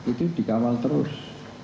itu dikawal terus